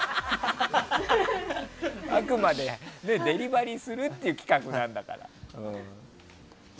あくまでデリバリーするっていう企画なんだから。